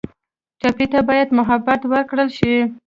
ټپي ته باید محبت ورکړل شي.